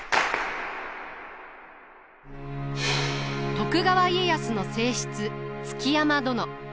徳川家康の正室築山殿。